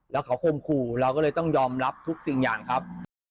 แล้วเขาคมขู่เราก็เลยต้องยอมรับทุกสิ่งอย่างครับ